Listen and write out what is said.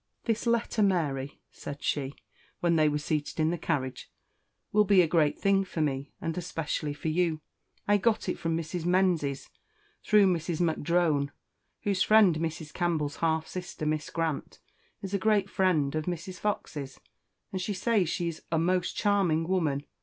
"This letter, Mary," said she, when they were seated in the carriage, "will be a great thing for me, and especially for you. I got it from Mrs. Menzies, through Mrs. M'Drone, whose friend, Mrs. Campbell's half sister, Miss Grant, is a great friend of Mrs. Fox's, and she says she is a most charming woman.